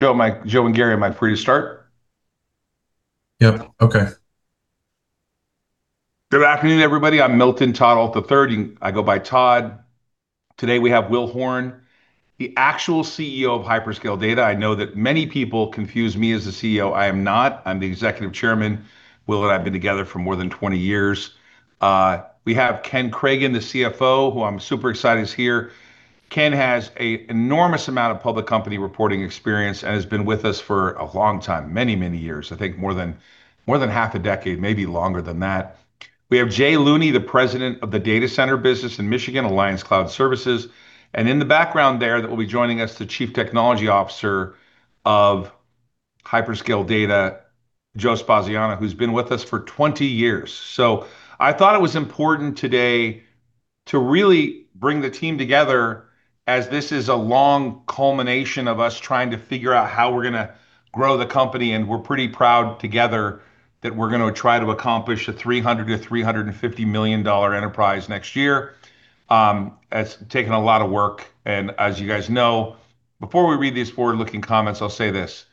Good afternoon, everybody. I'm Milton "Todd" Ault III, and I go by Todd. Today we have Will Horne, the actual CEO of Hyperscale Data. I know that many people confuse me as the CEO. I am not. I'm the Executive Chairman. Will and I have been together for more than 20 years. We have Ken Cragun, the CFO, who I'm super excited is here. Ken has an enormous amount of public company reporting experience and has been with us for a long time, many, many years, I think more than half a decade, maybe longer than that. We have Jay Looney, the President of the data center business in Michigan, Alliance Cloud Services. In the background there that will be joining us, the Chief Technology Officer of Hyperscale Data, Joe Spaziano, who's been with us for 20 years. I thought it was important today to really bring the team together as this is a long culmination of us trying to figure out how we're going to grow the company, and we're pretty proud together that we're going to try to accomplish a $300 million-$350 million enterprise next year. It's taken a lot of work. As you guys know, before we read these forward-looking comments, I'll say this.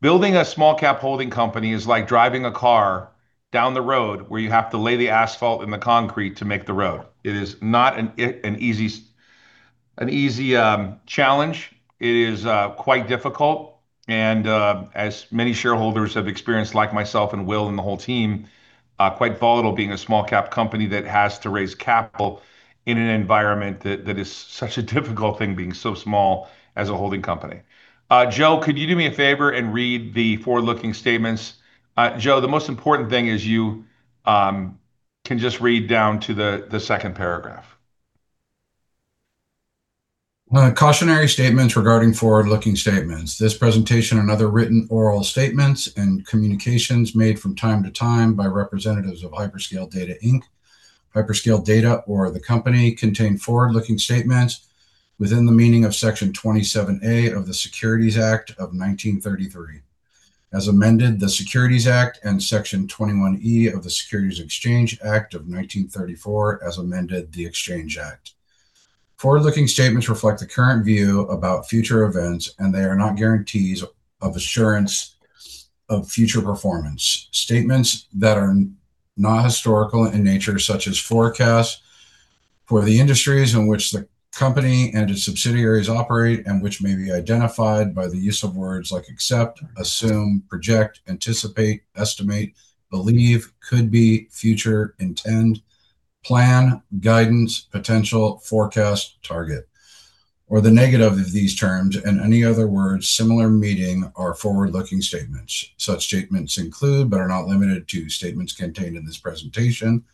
Building a small-cap holding company is like driving a car down the road where you have to lay the asphalt and the concrete to make the road. It is not an easy challenge. It is quite difficult and as many shareholders have experienced, like myself and Will and the whole team, quite volatile being a small cap company that has to raise capital in an environment that is such a difficult thing, being so small as a holding company. Joe, could you do me a favor and read the forward-looking statements? Joe, the most important thing is you can just read down to the second paragraph. Cautionary statements regarding forward-looking statements. This presentation and other written, oral statements and communications made from time to time by representatives of Hyperscale Data, Inc., Hyperscale Data or the company contain forward-looking statements within the meaning of Section 27A of the Securities Act of 1933. As amended, the Securities Act and Section 21E of the Securities Exchange Act of 1934, as amended, the Exchange Act. Forward-looking statements reflect the current view about future events, and they are not guarantees of assurance of future performance. Statements that are not historical in nature, such as forecasts for the industries in which the company and its subsidiaries operate, and which may be identified by the use of words like "accept," "assume," "project," "anticipate," "estimate," "believe," "could be," "future," "intend," "plan," "guidance," "potential," "forecast," "target," or the negative of these terms, and any other words similar meaning are forward-looking statements. Such statements include, but are not limited to, statements contained in this presentation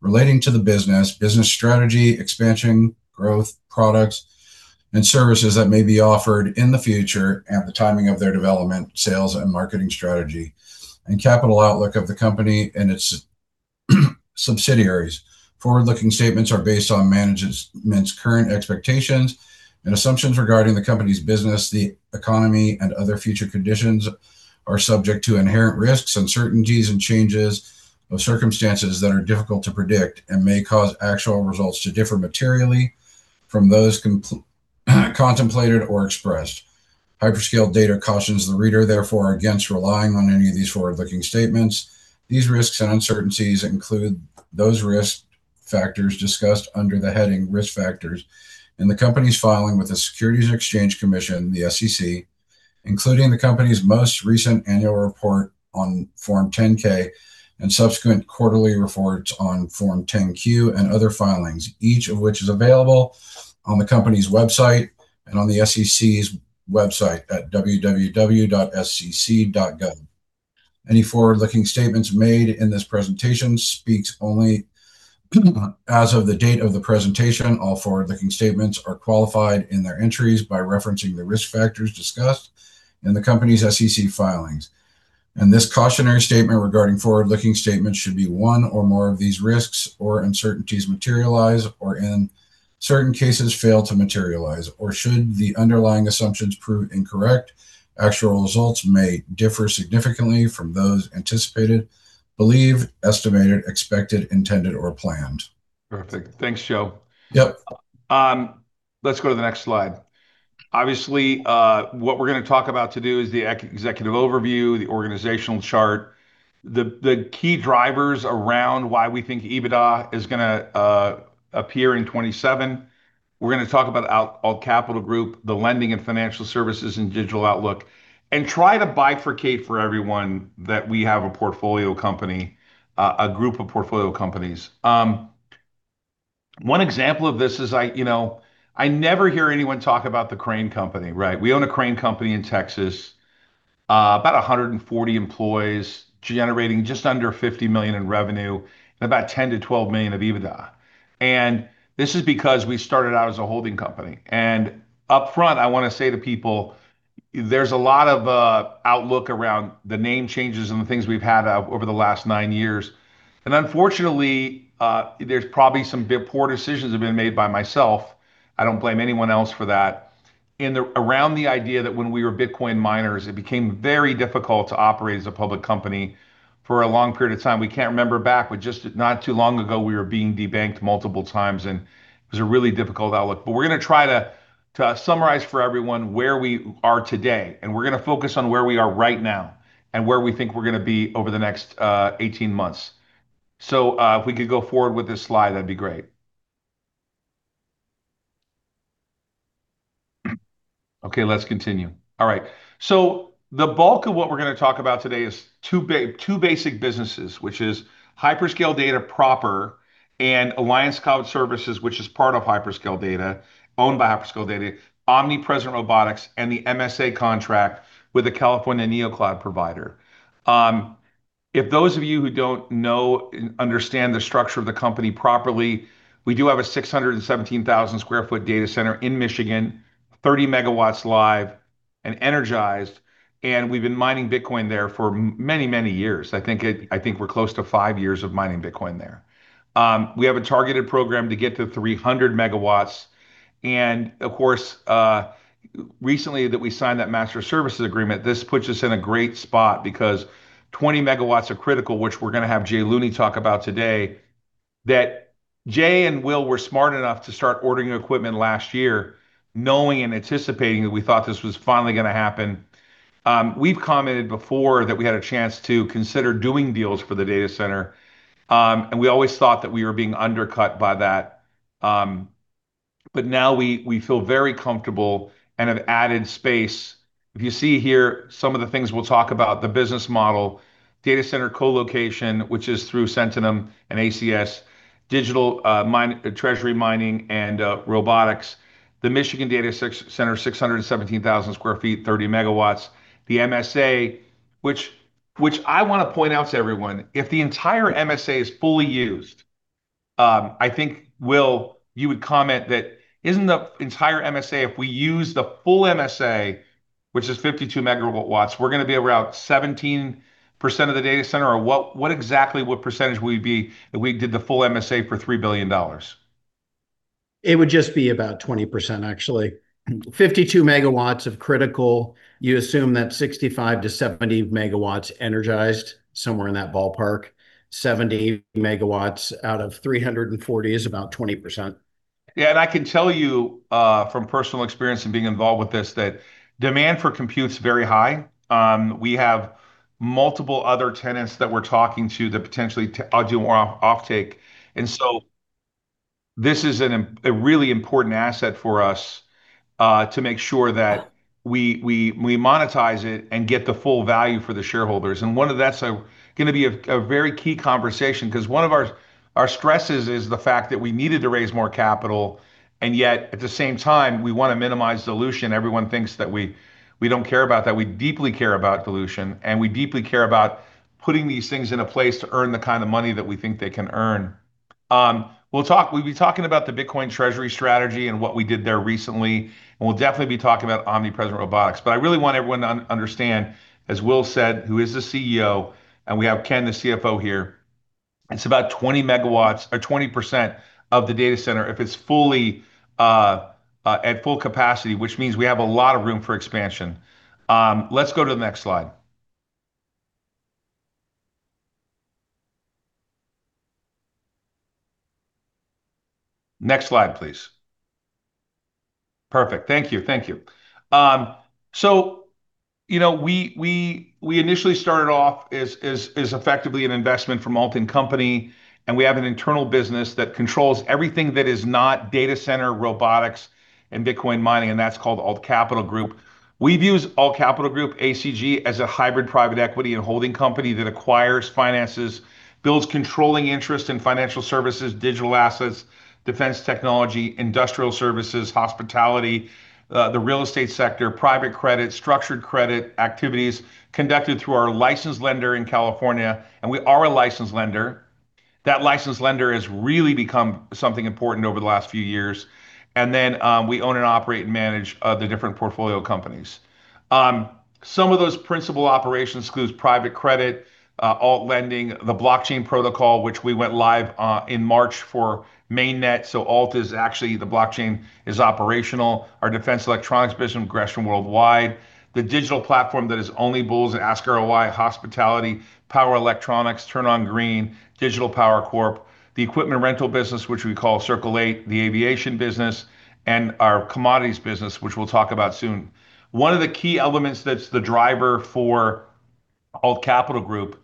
relating to the business strategy, expansion, growth, products, and services that may be offered in the future, and the timing of their development, sales, and marketing strategy, and capital outlook of the company and its subsidiaries. Forward-looking statements are based on management's current expectations and assumptions regarding the company's business, the economy, and other future conditions are subject to inherent risks, uncertainties, and changes of circumstances that are difficult to predict and may cause actual results to differ materially from those contemplated or expressed. Hyperscale Data cautions the reader, therefore, against relying on any of these forward-looking statements. These risks and uncertainties include those risk factors discussed under the heading Risk Factors in the company's filing with the Securities and Exchange Commission, the SEC, including the company's most recent annual report on Form 10-K and subsequent quarterly reports on Form 10-Q and other filings, each of which is available on the company's website and on the SEC's website at www.sec.gov. Any forward-looking statements made in this presentation speaks only as of the date of the presentation. All forward-looking statements are qualified in their entries by referencing the risk factors discussed in the company's SEC filings. This cautionary statement regarding forward-looking statements should be one or more of these risks or uncertainties materialize, or in certain cases, fail to materialize, or should the underlying assumptions prove incorrect, actual results may differ significantly from those anticipated, believed, estimated, expected, intended, or planned. Perfect. Thanks, Joe. Yep. Let's go to the next slide. Obviously, what we're going to talk about to do is the executive overview, the organizational chart, the key drivers around why we think EBITDA is going to appear in 2027. We're going to talk about Ault Capital Group, the lending and financial services and digital outlook, and try to bifurcate for everyone that we have a portfolio company, a group of portfolio companies. One example of this is I never hear anyone talk about the crane company, right? We own a crane company in Texas, about 140 employees generating just under $50 million in revenue and about $10 million-$12 million of EBITDA, and this is because we started out as a holding company. Upfront, I want to say to people, there's a lot of outlook around the name changes and the things we've had over the last nine years, and unfortunately, there's probably some poor decisions have been made by myself. I don't blame anyone else for that. Around the idea that when we were Bitcoin miners, it became very difficult to operate as a public company. For a long period of time, we can't remember back, but just not too long ago, we were being debanked multiple times, and it was a really difficult outlook. We're going to try to summarize for everyone where we are today, and we're going to focus on where we are right now and where we think we're going to be over the next 18 months. If we could go forward with this slide, that'd be great. Okay, let's continue. All right. The bulk of what we're going to talk about today is two basic businesses, which is Hyperscale Data proper and Alliance Cloud Services, which is part of Hyperscale Data, owned by Hyperscale Data, Omnipresent Robotics, and the MSA Contract with the California Neocloud provider. If those of you who don't know and understand the structure of the company properly, we do have a 617,000 sq ft data center in Michigan, 30 MW live and energized, and we've been mining Bitcoin there for many years. I think we're close to five years of mining Bitcoin there. We have a targeted program to get to 300 MW. Of course, recently that we signed that Master Services Agreement, this puts us in a great spot because 20 MW of critical, which we're going to have Jay Looney talk about today, that Jay and Will were smart enough to start ordering equipment last year, knowing and anticipating that we thought this was finally going to happen. We've commented before that we had a chance to consider doing deals for the data center, and we always thought that we were being undercut by that. Now we feel very comfortable and have added space. If you see here some of the things we'll talk about, the business model, data center colocation, which is through Sentinum and ACS, digital treasury mining, and robotics. The Michigan Data Center, 617,000 sq ft, 30 MW. The MSA, which I want to point out to everyone, if the entire MSA is fully used, I think, Will, you would comment that isn't the entire MSA, if we use the full MSA, which is 52 MW, we're going to be around 17% of the data center, or what exactly what percentage will we be if we did the full MSA for $3 billion? It would just be about 20%, actually. 52 MW of critical, you assume that 65 MW-70 MW energized, somewhere in that ballpark. 70 MW out of 340 MW is about 20%. Yeah, I can tell you from personal experience in being involved with this that demand for compute's very high. We have multiple other tenants that we're talking to that potentially do more offtake. So this is a really important asset for us to make sure that we monetize it and get the full value for the shareholders. One of that's going to be a very key conversation because one of our stresses is the fact that we needed to raise more capital, and yet at the same time, we want to minimize dilution. Everyone thinks that we don't care about that. We deeply care about dilution, and we deeply care about putting these things in a place to earn the kind of money that we think they can earn. We'll be talking about the Bitcoin Treasury Strategy and what we did there recently, and we'll definitely be talking about Omnipresent Robotics. I really want everyone to understand, as Will said, who is the CEO, and we have Ken, the CFO here, it's about 20 MW or 20% of the data center if it's at full capacity, which means we have a lot of room for expansion. Let's go to the next slide. Next slide, please. Perfect. Thank you. We initially started off as effectively an investment from Ault & Company, and we have an internal business that controls everything that is not data center, robotics, and Bitcoin mining, and that's called Ault Capital Group. We view Ault Capital Group, ACG, as a hybrid private equity and holding company that acquires, finances, builds controlling interest in financial services, digital assets, defense technology, industrial services, hospitality, the real estate sector, private credit, structured credit, activities conducted through our licensed lender in California, and we are a licensed lender. That licensed lender has really become something important over the last few years. We own and operate and manage the different portfolio companies. Some of those principal operations includes private credit, Ault Lending, the blockchain protocol, which we went live in March for Mainnet. Ault is actually the blockchain is operational. Our defense electronics business, Gresham Worldwide, the digital platform that is OnlyBulls and askROI, hospitality, Power Electronics, TurnOnGreen, Digital Power Corp, the equipment rental business, which we call Circle 8, the aviation business, and our commodities business, which we'll talk about soon. One of the key elements that's the driver for Ault Capital Group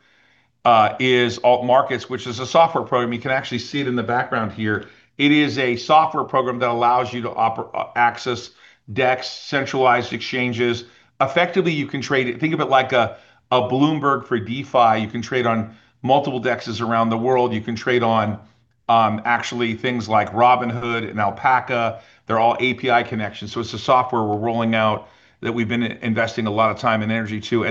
is Ault Markets, which is a software program. You can actually see it in the background here. It is a software program that allows you to access DEX, centralized exchanges. Effectively, you can trade it. Think of it like a Bloomberg for DeFi. You can trade on multiple DEX around the world. You can trade on actually things like Robinhood and Alpaca. They're all API connections. It's a software we're rolling out that we've been investing a lot of time and energy to.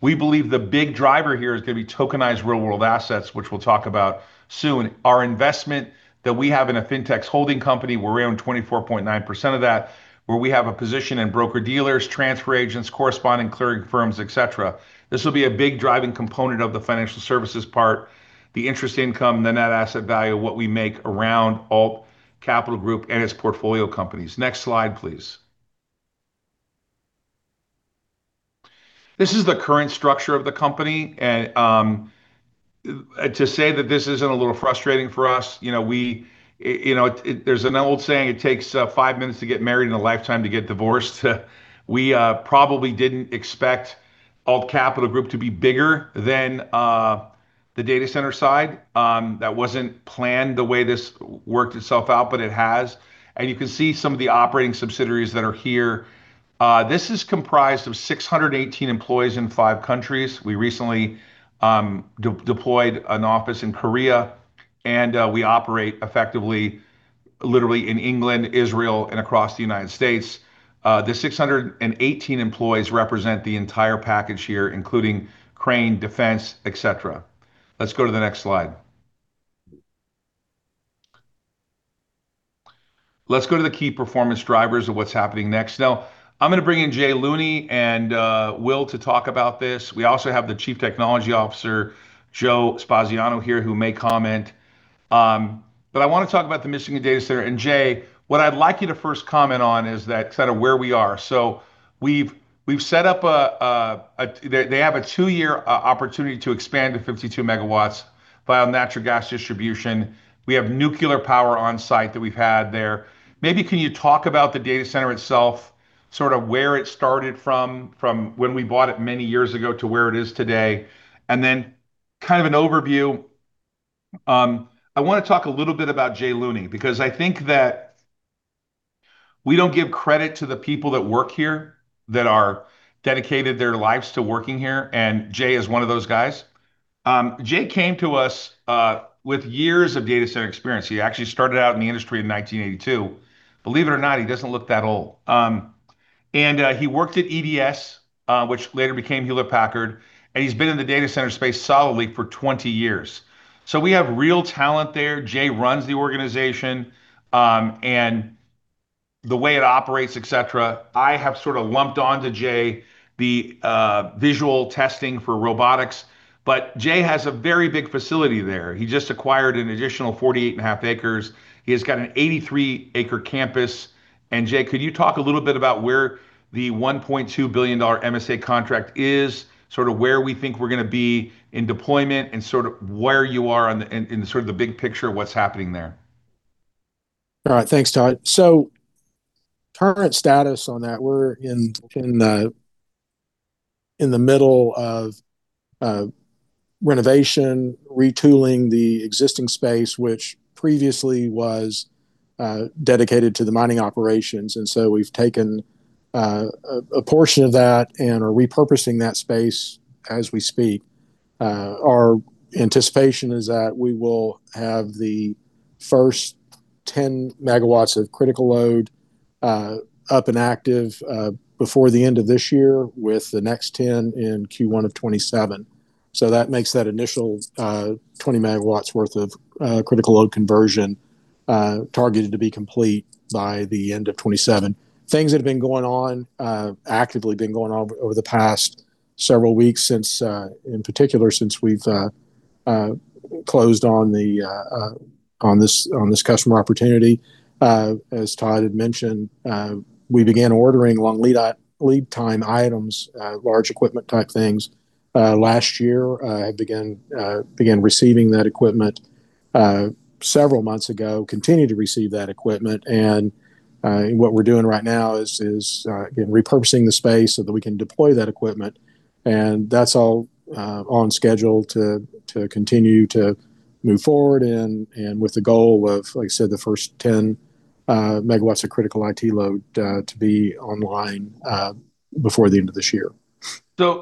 We believe the big driver here is going to be tokenized real-world assets, which we'll talk about soon. Our investment that we have in a Fintech Holding Company, where we own 24.9% of that, where we have a position in broker-dealers, transfer agents, corresponding clearing firms, et cetera. This will be a big driving component of the financial services part, the interest income, the net asset value of what we make around Ault Capital Group and its portfolio companies. Next slide, please. This is the current structure of the company. To say that this isn't a little frustrating for us, there's an old saying, it takes five minutes to get married and a lifetime to get divorced. We probably didn't expect Ault Capital Group to be bigger than the data center side. That wasn't planned the way this worked itself out, but it has. You can see some of the operating subsidiaries that are here. This is comprised of 618 employees in five countries. We recently deployed an office in Korea, and we operate effectively, literally in England, Israel, and across the United States. The 618 employees represent the entire package here, including Crane, Defense, et cetera. Let's go to the next slide. Let's go to the key performance drivers of what's happening next. I'm going to bring in Jay Looney and Will to talk about this. We also have the Chief Technology Officer, Joe Spaziano here, who may comment. I want to talk about the Michigan Data Center, and Jay, what I'd like you to first comment on is that kind of where we are. They have a two-year opportunity to expand to 52 MW via natural gas distribution. We have nuclear power on site that we've had there. Maybe can you talk about the data center itself, sort of where it started from when we bought it many years ago to where it is today, and then kind of an overview. I want to talk a little bit about Jay Looney, because I think that we don't give credit to the people that work here that are dedicated their lives to working here, and Jay is one of those guys. Jay came to us with years of data center experience. He actually started out in the industry in 1982. Believe it or not, he doesn't look that old. He worked at EDS, which later became Hewlett-Packard, and he's been in the data center space solidly for 20 years. We have real talent there. Jay runs the organization, and the way it operates, et cetera. I have sort of lumped on to Jay the visual testing for robotics, Jay has a very big facility there. He just acquired an additional 48.5 acres. He has an 83-acre campus. Jay, could you talk a little bit about where the $1.2 billion MSA Contract is, sort of where we think we're going to be in deployment and sort of where you are in the big picture of what's happening there? All right. Thanks, Todd. Current status on that, we're in the middle of renovation, retooling the existing space, which previously was dedicated to the mining operations. We've taken a portion of that and are repurposing that space as we speak. Our anticipation is that we will have the first 10 MW of critical load up and active before the end of this year, with the next 10 in Q1 of 2027. That makes that initial 20 MW worth of critical load conversion targeted to be complete by the end of 2027. Things that have been going on, actively been going on over the past several weeks, in particular, since we've closed on this customer opportunity. As Todd had mentioned, we began ordering long lead time items, large equipment-type things, last year. We have begun receiving that equipment several months ago, continue to receive that equipment. What we're doing right now is again, repurposing the space so that we can deploy that equipment. That's all on schedule to continue to move forward with the goal of, like I said, the first 10 MW of critical IT load to be online before the end of this year.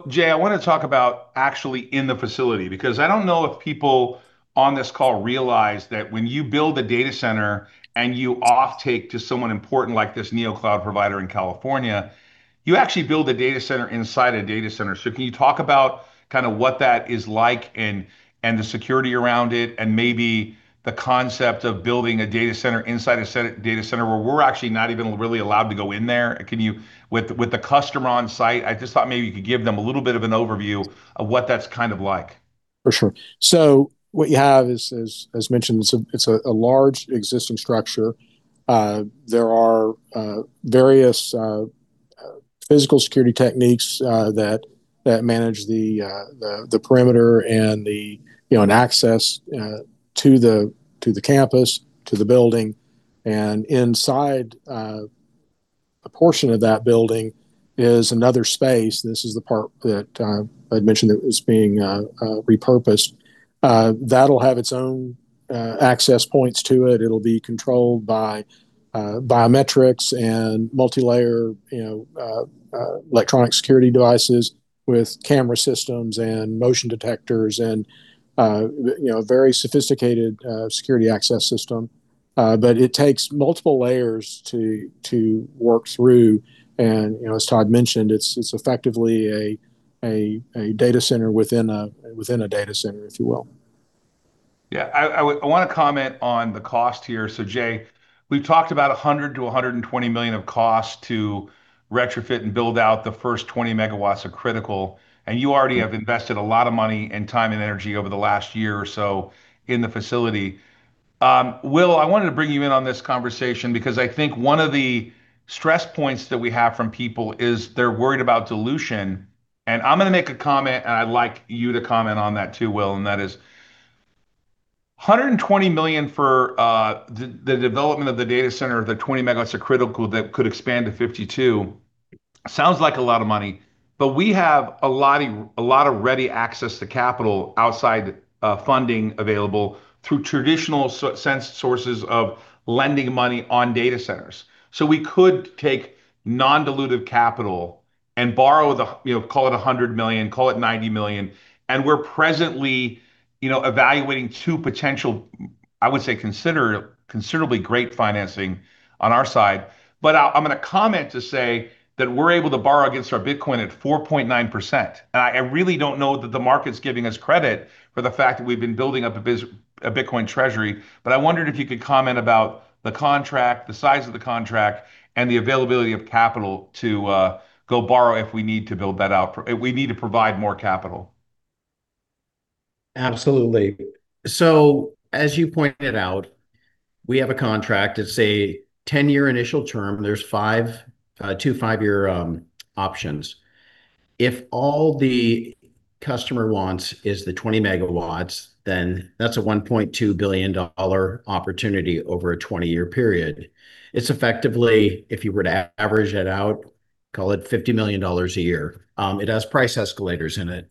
Jay, I want to talk about actually in the facility, because I don't know if people on this call realize that when you build a data center and you off-take to someone important like this Neocloud provider in California, you actually build a data center inside a data center. Can you talk about what that is like and the security around it and maybe the concept of building a data center inside a data center where we're actually not even really allowed to go in there. With the customer on site, I just thought maybe you could give them a little bit of an overview of what that's kind of like. For sure. What you have, as mentioned, it's a large existing structure. There are various physical security techniques that manage the perimeter and an access to the campus, to the building. Inside a portion of that building is another space. This is the part that I'd mentioned that was being repurposed. That'll have its own access points to it. It'll be controlled by biometrics and multilayer electronic security devices with camera systems and motion detectors and a very sophisticated security access system. It takes multiple layers to work through, and as Todd mentioned, it's effectively a data center within a data center, if you will. Yeah. I want to comment on the cost here. Jay, we've talked about $100 million-$120 million of cost to retrofit and build out the first 20 MW of critical. You already have invested a lot of money and time and energy over the last year or so in the facility. Will, I wanted to bring you in on this conversation because I think one of the stress points that we have from people is they're worried about dilution. I'm going to make a comment, and I'd like you to comment on that too, Will. That is $120 million for the development of the data center, the 20 MW of critical that could expand to 52 MW sounds like a lot of money, but we have a lot of ready access to capital outside funding available through traditional sense sources of lending money on data centers. We could take non-dilutive capital and borrow, call it $100 million, call it $90 million. We're presently evaluating two potential, I would say considerably great financing on our side. I'm going to comment to say that we're able to borrow against our Bitcoin at 4.9%. I really don't know that the market's giving us credit for the fact that we've been building up a Bitcoin treasury. I wondered if you could comment about the contract, the size of the contract, and the availability of capital to go borrow if we need to provide more capital. Absolutely. As you pointed out, we have a contract, it's a 10-year initial term. There's two five-year options. If all the customer wants is the 20 MW, then that's a $1.2 billion opportunity over a 20-year period. It's effectively, if you were to average it out, call it $50 million a year. It has price escalators in it.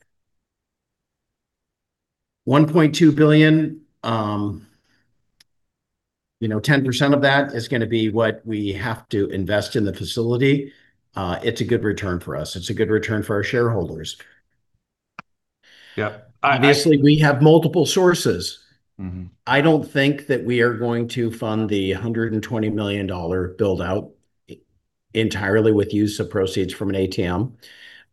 $1.2 billion, 10% of that is going to be what we have to invest in the facility. It's a good return for us. It's a good return for our shareholders. Yep. Obviously, we have multiple sources. I don't think that we are going to fund the $120 million build-out entirely with use of proceeds from an ATM.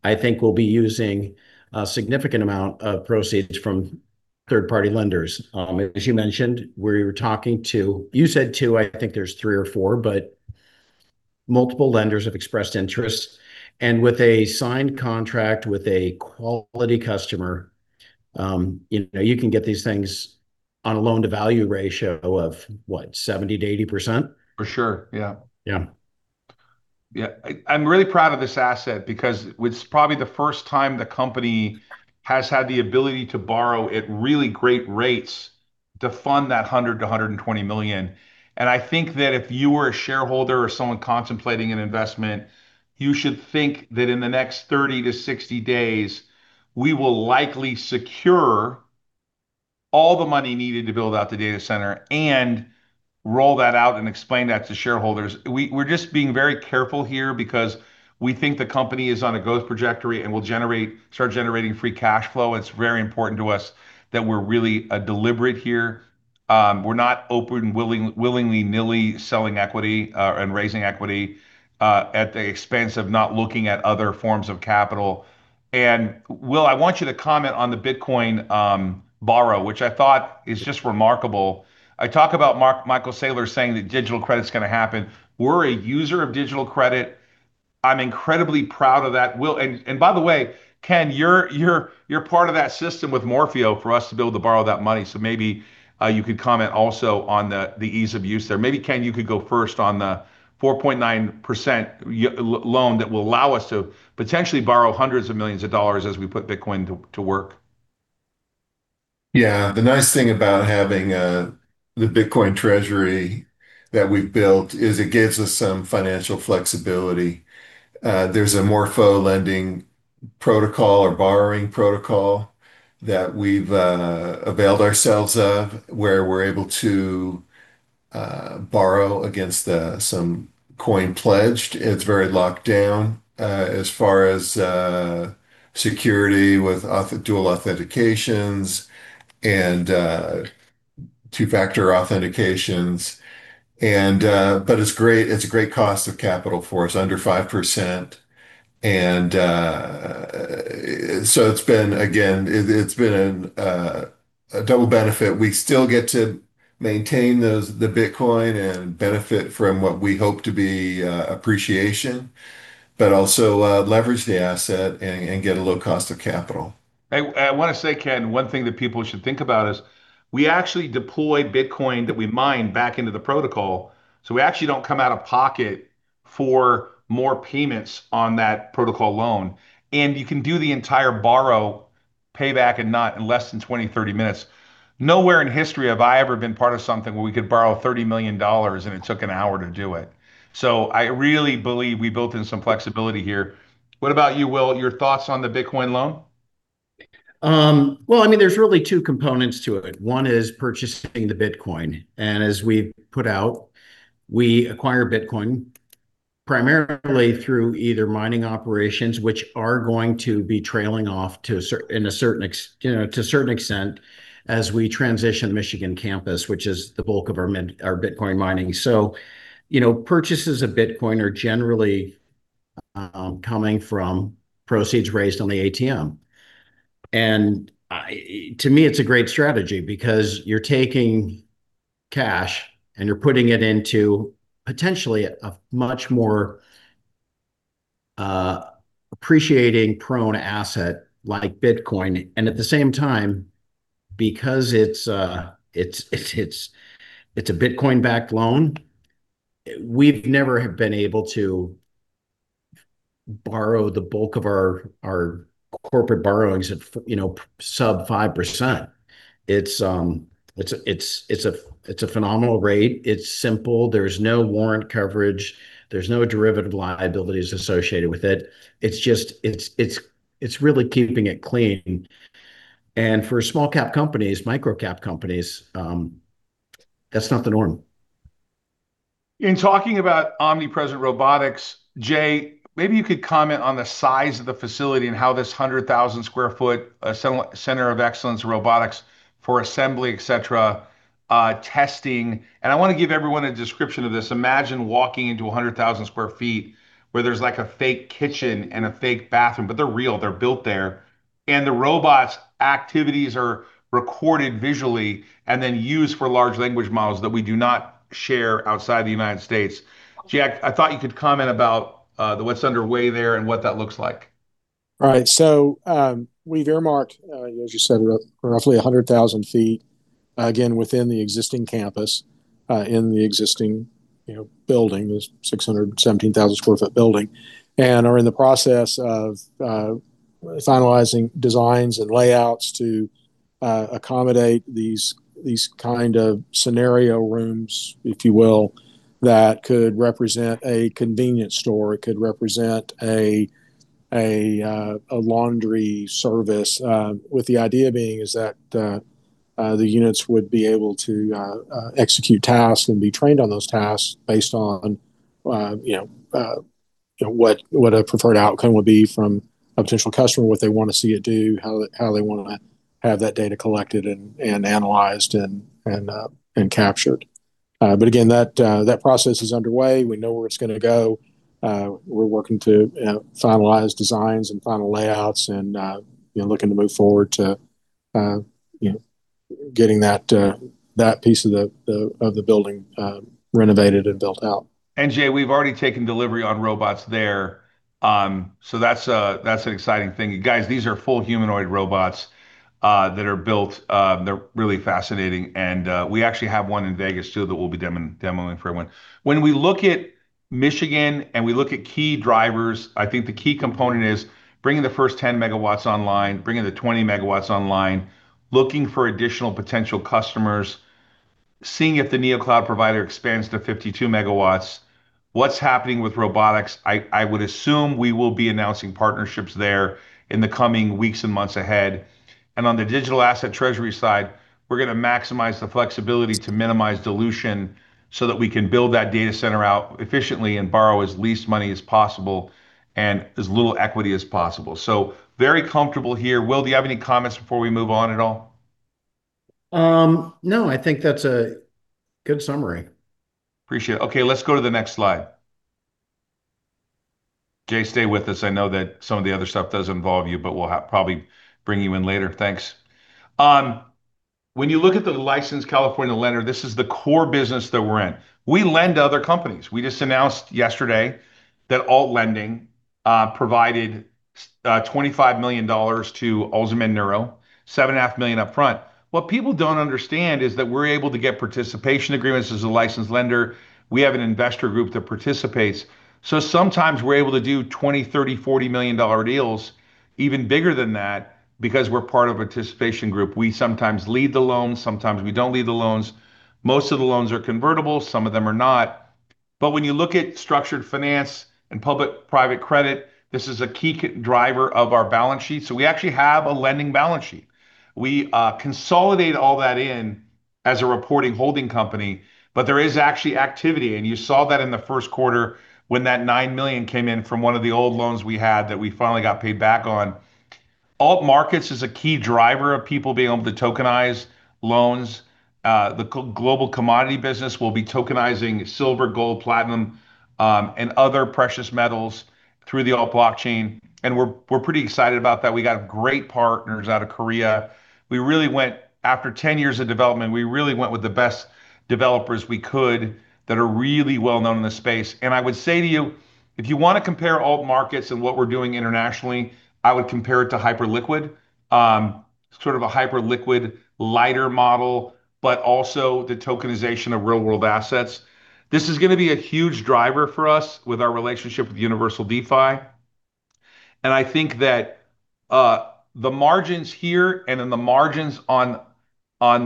I think we'll be using a significant amount of proceeds from third-party lenders. As you mentioned, we were talking to, you said two, I think there's three or four, but multiple lenders have expressed interest. With a signed contract with a quality customer, you can get these things on a loan-to-value ratio of what, 70%-80%? For sure. Yeah. Yeah. Yeah. I'm really proud of this asset because it's probably the first time the company has had the ability to borrow at really great rates to fund that $100 million-$120 million. I think that if you were a shareholder or someone contemplating an investment, you should think that in the next 30-60 days, we will likely secure all the money needed to build out the data center and roll that out and explain that to shareholders. We're just being very careful here because we think the company is on a growth trajectory and will start generating free cash flow. It's very important to us that we're really deliberate here. We're not open willy-nilly selling equity, and raising equity, at the expense of not looking at other forms of capital. Will, I want you to comment on the Bitcoin borrow, which I thought is just remarkable. I talk about Michael Saylor saying that Digital Credit is going to happen. We're a user of digital credit. I'm incredibly proud of that, Will. By the way, Ken, you're part of that system with Morpho for us to be able to borrow that money. Maybe you could comment also on the ease of use there. Maybe, Ken, you could go first on the 4.9% loan that will allow us to potentially borrow hundreds of millions of dollars as we put Bitcoin to work. Yeah. The nice thing about having the Bitcoin treasury that we've built is it gives us some financial flexibility. There's a Morpho lending protocol or borrowing protocol that we've availed ourselves of, where we're able to borrow against some coin pledged. It's very locked down, as far as security with dual authentications and two-factor authentications. It's a great cost of capital for us, under 5%. It's been, again, it's been a double benefit. We still get to maintain the Bitcoin and benefit from what we hope to be appreciation, but also leverage the asset and get a low cost of capital. I want to say, Ken, one thing that people should think about is we actually deploy Bitcoin that we mine back into the protocol, we actually don't come out of pocket for more payments on that protocol loan. You can do the entire borrow payback in less than 20, 30 minutes. Nowhere in history have I ever been part of something where we could borrow $30 million, it took an hour to do it. I really believe we built in some flexibility here. What about you, Will? Your thoughts on the Bitcoin loan? Well, there's really two components to it. One is purchasing the Bitcoin. As we've put out, we acquire Bitcoin primarily through either mining operations, which are going to be trailing off to a certain extent as we transition the Michigan campus, which is the bulk of our Bitcoin mining. Purchases of Bitcoin are generally coming from proceeds raised on the ATM. To me, it's a great strategy because you're taking cash and you're putting it into potentially a much more appreciating prone asset like Bitcoin. At the same time, because it's a Bitcoin-backed loan, we've never have been able to borrow the bulk of our corporate borrowings at sub 5%. It's a phenomenal rate. It's simple. There's no warrant coverage. There's no derivative liabilities associated with it. It's really keeping it clean. For small cap companies, microcap companies, that's not the norm. In talking about Omnipresent Robotics, Jay, maybe you could comment on the size of the facility and how this 100,000 sq ft, Center of Excellence, robotics for assembly, et cetera, testing. I want to give everyone a description of this. Imagine walking into 100,000 sq ft where there's like a fake kitchen and a fake bathroom, but they're real, they're built there. The robots' activities are recorded visually and then used for large language models that we do not share outside the U.S. Jay, I thought you could comment about what's underway there and what that looks like. Right. We've earmarked, as you said, roughly 100,000 ft, again, within the existing campus, in the existing building, this 617,000 sq ft building. Are in the process of finalizing designs and layouts to accommodate these kind of scenario rooms, if you will, that could represent a convenience store. It could represent a laundry service. With the idea being is that the units would be able to execute tasks and be trained on those tasks based on what a preferred outcome would be from a potential customer, what they want to see it do, how they want to have that data collected and analyzed and captured. Again, that process is underway. We know where it's going to go. We're working to finalize designs and final layouts and looking to move forward to getting that piece of the building renovated and built out. Jay, we've already taken delivery on robots there, that's an exciting thing. Guys, these are full humanoid robots that are built. They're really fascinating, and we actually have one in Vegas too, that we'll be demoing for everyone. When we look at Michigan and we look at key drivers, I think the key component is bringing the first 10 MW online, bringing the 20 MW online, looking for additional potential customers, seeing if the Neocloud provider expands to 52 MW. What's happening with robotics, I would assume we will be announcing partnerships there in the coming weeks and months ahead. On the Digital Asset Treasury side, we're going to maximize the flexibility to minimize dilution so that we can build that data center out efficiently and borrow as least money as possible and as little equity as possible. Very comfortable here. Will, do you have any comments before we move on at all? No, I think that's a good summary. Appreciate it. Let's go to the next slide. Jay, stay with us. I know that some of the other stuff does involve you, but we'll probably bring you in later. Thanks. When you look at the licensed California Lender, this is the core business that we're in. We lend to other companies. We just announced yesterday that Ault Lending provided $25 million to Alzamend Neuro, $7.5 million upfront. What people don't understand is that we're able to get participation agreements as a licensed lender. We have an investor group that participates. Sometimes we're able to do $20 million, $30 million, $40 million deals even bigger than that because we're part of a participation group. We sometimes lead the loans, sometimes we don't lead the loans. Most of the loans are convertible, some of them are not. When you look at structured finance and public-private credit, this is a key driver of our balance sheet. We actually have a lending balance sheet. We consolidate all that in as a reporting holding company, but there is actually activity, and you saw that in the first quarter when that $9 million came in from one of the old loans we had that we finally got paid back on. Ault Markets is a key driver of people being able to tokenize loans. The global commodity business will be tokenizing silver, gold, platinum, and other precious metals through the Ault Blockchain, and we're pretty excited about that. We got great partners out of Korea. After 10 years of development, we really went with the best developers we could that are really well-known in the space. I would say to you, if you want to compare Ault Markets and what we're doing internationally, I would compare it to Hyperliquid, sort of a Hyperliquid lighter model, but also the tokenization of real-world assets. This is going to be a huge driver for us with our relationship with Universal DeFi. I think that the margins here and then the margins on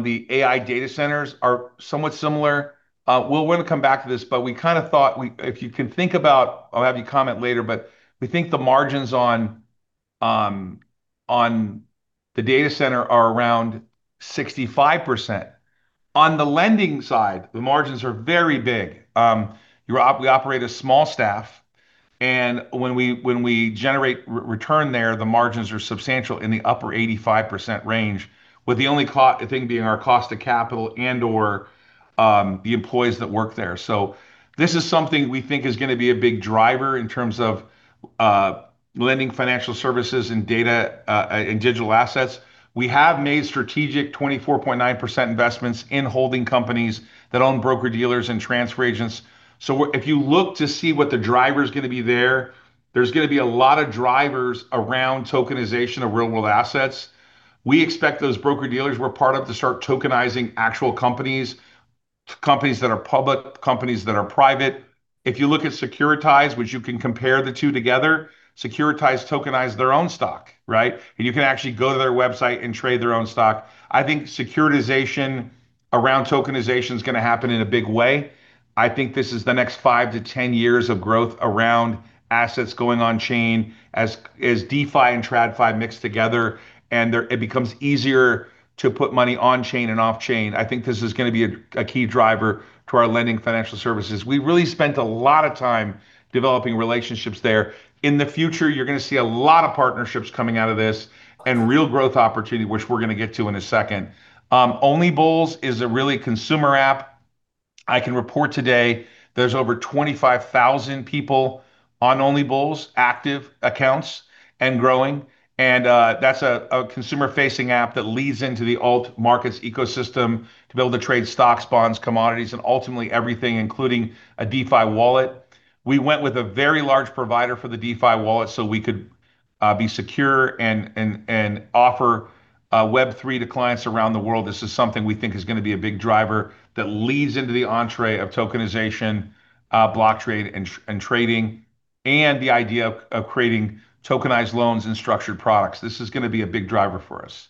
the AI data centers are somewhat similar. We'll come back to this, but we kind of thought, if you can think about I'll have you comment later, but we think the margins on the data center are around 65%. On the lending side, the margins are very big. We operate a small staff, and when we generate return there, the margins are substantial in the upper 85% range, with the only thing being our cost of capital and or the employees that work there. This is something we think is going to be a big driver in terms of Lending Financial Services and data, and digital assets. We have made strategic 24.9% investments in holding companies that own broker-dealers and transfer agents. If you look to see what the driver's going to be there's going to be a lot of drivers around tokenization of real-world assets. We expect those broker-dealers we're part of to start tokenizing actual companies that are public, companies that are private. If you look at Securitize, which you can compare the two together, Securitize tokenized their own stock, right? You can actually go to their website and trade their own stock. I think securitization around tokenization is going to happen in a big way. I think this is the next 5-10 years of growth around assets going on-chain as DeFi and TradFi mix together, and it becomes easier to put money on-chain and off-chain. I think this is going to be a key driver to our lending financial services. We really spent a lot of time developing relationships there. In the future, you're going to see a lot of partnerships coming out of this and real growth opportunity, which we're going to get to in a second. OnlyBulls is a really consumer app. I can report today there's over 25,000 people on OnlyBulls, active accounts and growing. That's a consumer-facing app that leads into the Ault Markets ecosystem to be able to trade stocks, bonds, commodities, and ultimately everything, including a DeFi wallet. We went with a very large provider for the DeFi wallet so we could be secure and offer Web3 to clients around the world. This is something we think is going to be a big driver that leads into the entree of tokenization, block trade, and trading, and the idea of creating tokenized loans and structured products. This is going to be a big driver for us.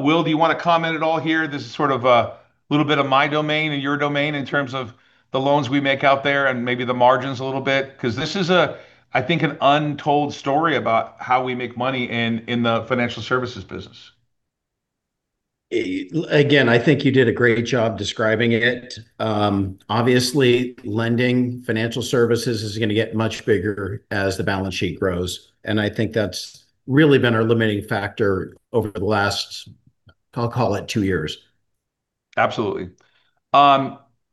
Will, do you want to comment at all here? This is sort of a little bit of my domain and your domain in terms of the loans we make out there and maybe the margins a little bit. Because this is, I think, an untold story about how we make money in the financial services business. I think you did a great job describing it. Obviously, Lending Financial Services is going to get much bigger as the balance sheet grows, I think that's really been our limiting factor over the last, I'll call it two years. Absolutely.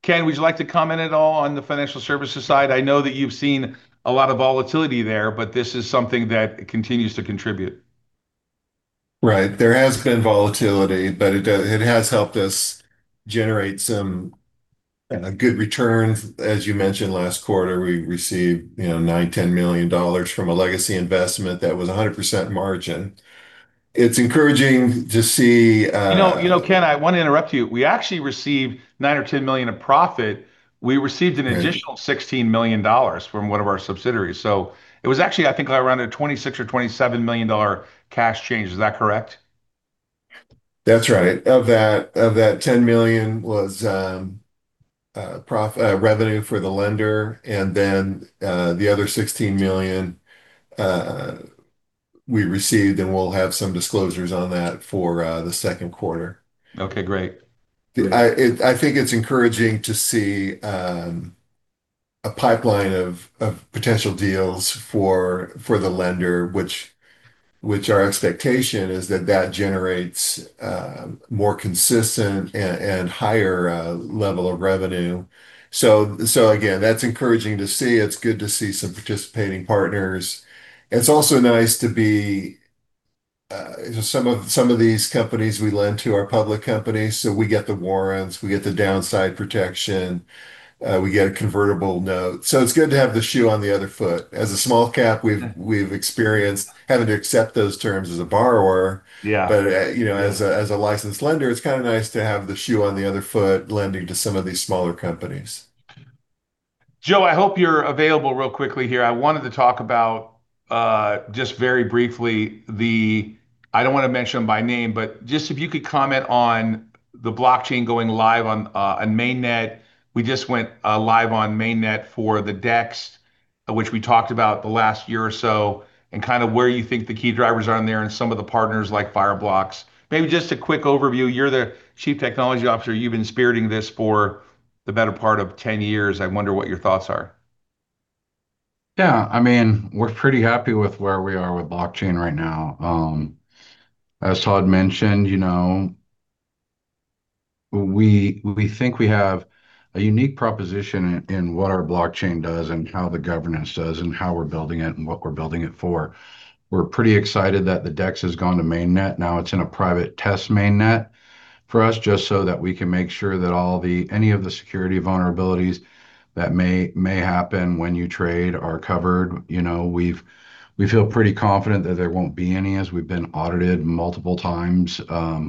Ken, would you like to comment at all on the financial services side? I know that you've seen a lot of volatility there, this is something that continues to contribute. Right. There has been volatility, it has helped us generate some good returns. As you mentioned, last quarter, we received $9 million-$10 million from a legacy investment that was 100% margin. It's encouraging to see. Ken, I want to interrupt you. We actually received $9 million or $10 million of profit. We received an additional $16 million from one of our subsidiaries. It was actually, I think, around a $26 million or $27 million cash change. Is that correct? That's right. Of that $10 million was revenue for the lender. The other $16 million we received, we'll have some disclosures on that for the second quarter. Okay, great. I think it's encouraging to see a pipeline of potential deals for the lender, which our expectation is that generates more consistent and higher level of revenue. Again, that's encouraging to see. It's good to see some participating partners. It's also nice. Some of these companies we lend to are public companies. We get the warrants, we get the downside protection, we get a convertible note. It's good to have the shoe on the other foot. As a small cap, we've experienced having to accept those terms as a borrower. Yeah. As a licensed lender, it's kind of nice to have the shoe on the other foot, lending to some of these smaller companies. Joe, I hope you're available real quickly here. I wanted to talk about, just very briefly, I don't want to mention them by name, just if you could comment on the Blockchain going live on Mainnet. We just went live on Mainnet for the DEX, which we talked about the last year or so, and where you think the key drivers are on there and some of the partners like Fireblocks. Maybe just a quick overview. You're the Chief Technology Officer. You've been spearheading this for the better part of 10 years. I wonder what your thoughts are. Yeah. We're pretty happy with where we are with blockchain right now. As Todd mentioned, we think we have a unique proposition in what our blockchain does and how the governance does, and how we're building it and what we're building it for. We're pretty excited that the DEX has gone to Mainnet. Now it's in a private test Mainnet for us, just so that we can make sure that any of the security vulnerabilities that may happen when you trade are covered. We feel pretty confident that there won't be any, as we've been audited multiple times. Yeah,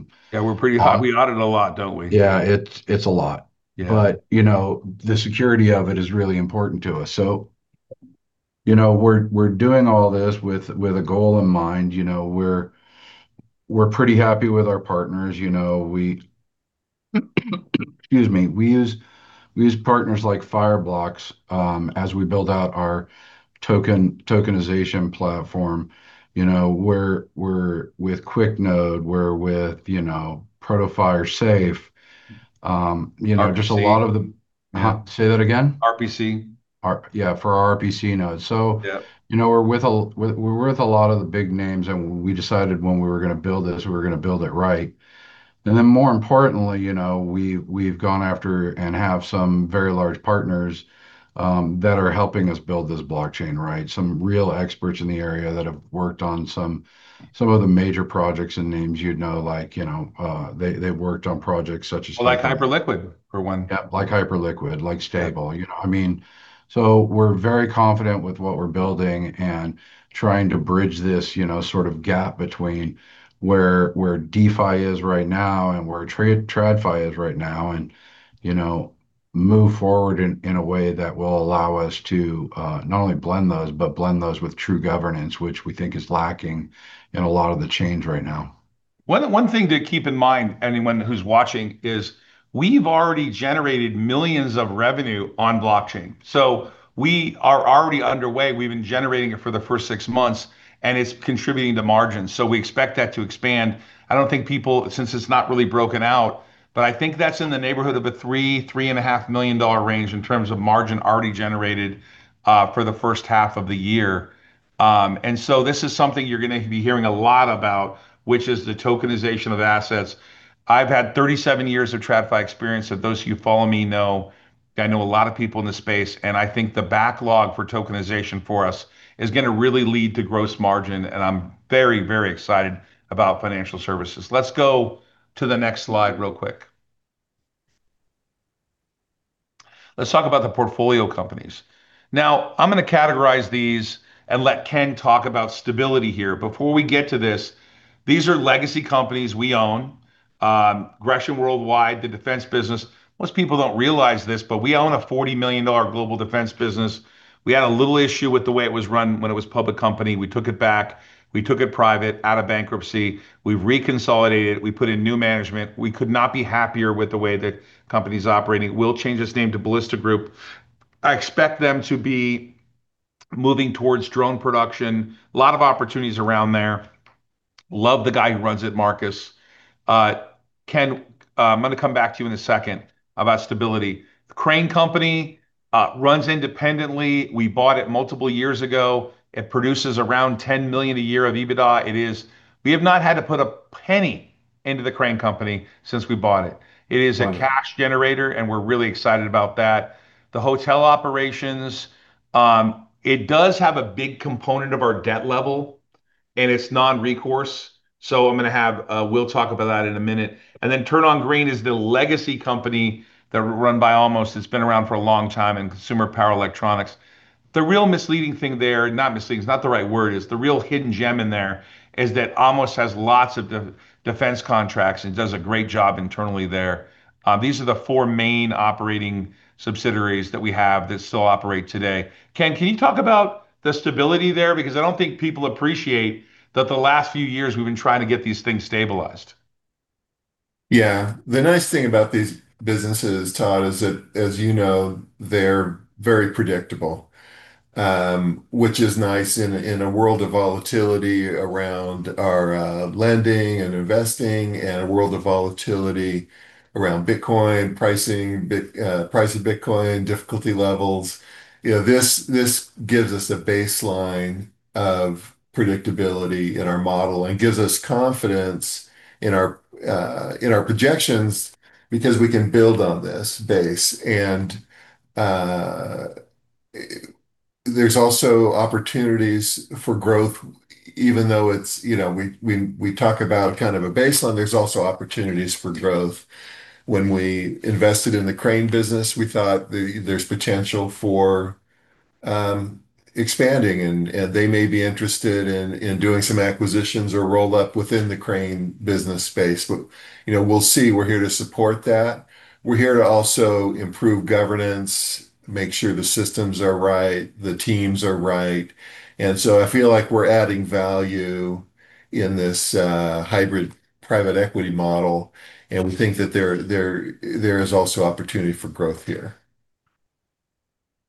we audit a lot, don't we? Yeah. It's a lot. Yeah. The security of it is really important to us. We're doing all this with a goal in mind. We're pretty happy with our partners. Excuse me. We use partners like Fireblocks as we build out our tokenization platform. We're with QuickNode, we're with Protofire Safe. Uh-huh. Say that again? RPC. Yeah, for our RPC nodes. Yeah. We're with a lot of the big names. We decided when we were going to build this, we were going to build it right. More importantly, we've gone after and have some very large partners that are helping us build this blockchain, right? Some real experts in the area that have worked on some of the major projects and names you'd know. They've worked on projects such as- Like Hyperliquid, for one. Yeah, like Hyperliquid, like Stable. We're very confident with what we're building and trying to bridge this sort of gap between where DeFi is right now and where TradFi is right now. Move forward in a way that will allow us to not only blend those, but blend those with true governance, which we think is lacking in a lot of the chains right now. One thing to keep in mind, anyone who's watching, is we've already generated millions of revenue on blockchain. We are already underway. We've been generating it for the first six months. It's contributing to margins. We expect that to expand. I don't think people, since it's not really broken out, but I think that's in the neighborhood of a $3 million-$3.5 million range in terms of margin already generated for the first half of the year. This is something you're going to be hearing a lot about, which is the tokenization of assets. I've had 37 years of TradFi experience, so those of you who follow me know I know a lot of people in the space, and I think the backlog for tokenization for us is going to really lead to gross margin, and I'm very, very excited about financial services. Let's go to the next slide real quick. Let's talk about the portfolio companies. Now, I'm going to categorize these and let Ken talk about stability here. Before we get to this, these are legacy companies we own. Gresham Worldwide, the Defense business. Most people don't realize this, but we own a $40 million global defense business. We had a little issue with the way it was run when it was public company. We took it back. We took it private, out of bankruptcy. We reconsolidated. We put in new management. We could not be happier with the way the company's operating. We'll change its name to Ballista Group. I expect them to be moving towards drone production. A lot of opportunities around there. Love the guy who runs it, Marcus. Ken, I'm going to come back to you in a second about stability. Crane company runs independently. We bought it multiple years ago. It produces around $10 million a year of EBITDA. We have not had to put a penny into the Crane company since we bought it. Right. It is a cash generator. We're really excited about that. The hotel operations, it does have a big component of our debt level. It's non-recourse. We'll talk about that in a minute. TurnOnGreen is the legacy company run by Amos that's been around for a long time in consumer power electronics. The real misleading thing there, not misleading. It's not the right word. The real hidden gem in there is that Amos has lots of defense contracts and does a great job internally there. These are the four main operating subsidiaries that we have that still operate today. Ken, can you talk about the stability there? Because I don't think people appreciate that the last few years, we've been trying to get these things stabilized. The nice thing about these businesses, Todd, is that, as you know, they're very predictable, which is nice in a world of volatility around our lending and investing and a world of volatility around Bitcoin pricing, price of Bitcoin, difficulty levels. This gives us a baseline of predictability in our model and gives us confidence in our projections because we can build on this base. There's also opportunities for growth, even though we talk about kind of a baseline. There's also opportunities for growth. When we invested in the Crane business, we thought there's potential for expanding, and they may be interested in doing some acquisitions or roll-up within the Crane business space. We'll see. We're here to support that. We're here to also improve governance, make sure the systems are right, the teams are right. I feel like we're adding value in this hybrid private equity model. We think that there is also opportunity for growth here.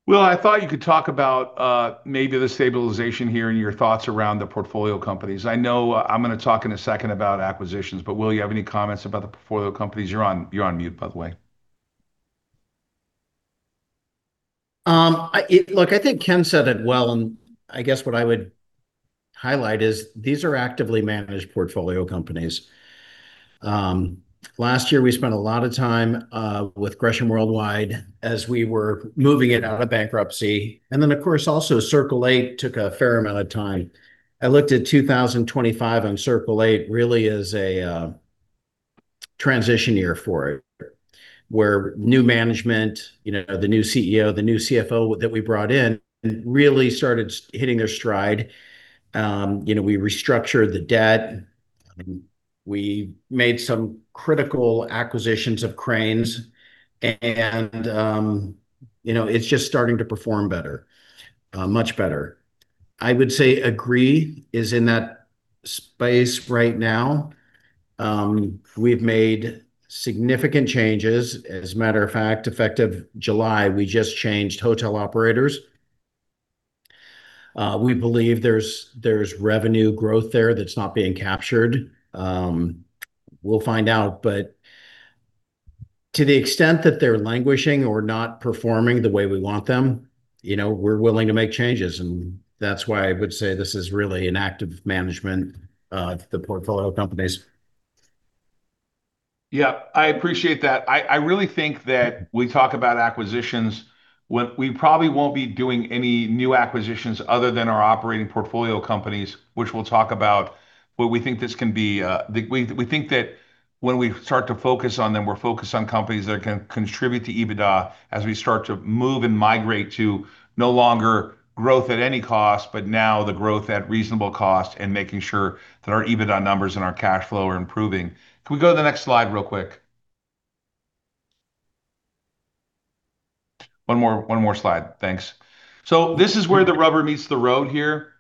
Will, I thought you could talk about maybe the stabilization here, your thoughts around the portfolio companies. I know I'm going to talk in a second about acquisitions. Will, you have any comments about the portfolio companies? You're on mute, by the way. Look, I think Ken said it well. I guess what I would highlight is these are actively managed portfolio companies. Last year, we spent a lot of time with Gresham Worldwide as we were moving it out of bankruptcy. Then, of course, also Circle 8 took a fair amount of time. I looked at 2025. Circle 8 really is a transition year for it, where new management, the new CEO, the new CFO that we brought in really started hitting their stride. We restructured the debt. We made some critical acquisitions of cranes, and it's just starting to perform better. Much better. I would say AGREE is in that space right now. We've made significant changes. As a matter of fact, effective July, we just changed hotel operators. We believe there's revenue growth there that's not being captured. We'll find out. To the extent that they're languishing or not performing the way we want them, we're willing to make changes. That's why I would say this is really an active management of the portfolio companies. Yeah, I appreciate that. I really think that we talk about acquisitions when we probably won't be doing any new acquisitions other than our operating portfolio companies, which we'll talk about what we think this can be. We think that when we start to focus on them, we're focused on companies that can contribute to EBITDA as we start to move and migrate to no longer growth at any cost, but now the growth at reasonable cost and making sure that our EBITDA numbers and our cash flow are improving. Can we go to the next slide real quick? One more slide, thanks. This is where the rubber meets the road here.